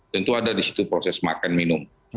tentu ada di situ proses makan minum